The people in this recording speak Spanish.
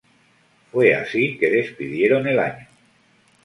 Fue así que despidieron el año.